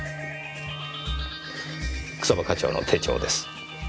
草葉課長の手帳です。